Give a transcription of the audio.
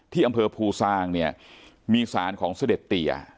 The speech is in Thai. ที่อำเภอภูซางเนี่ยมีสารของเสด็จเตีย